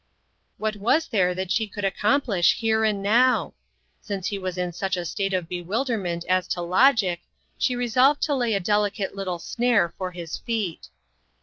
What was there that she could accomplish here and now ? Since he was in such a state of bewilderment as to logic, she re solved to lay a delicate little snare for his feet.